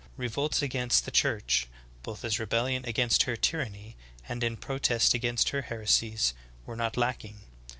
Revolts against the Church, both as rebellion against her tyranny and in pro test against her heresies, were not lacking.